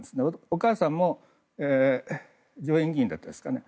お母さんも上院議員だったんですかね。